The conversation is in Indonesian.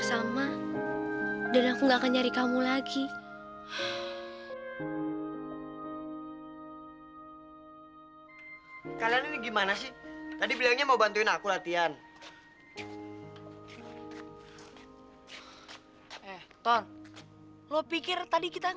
seluruh keluarga aku juga gak ada yang tahu ken